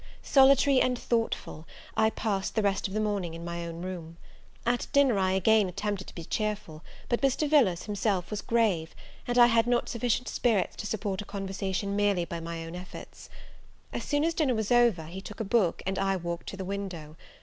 Solitary and thoughtful, I passed the rest of the morning in my own room. At dinner I again attempted to be cheerful; but Mr. Villars himself was grave, and I had not sufficient spirits to support a conversation merely by my own efforts. As soon as dinner was over, he took a book, and I walked to the window.